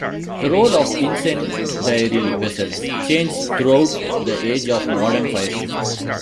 The role of incendiary vessels changed throughout the age of the modern fire ship.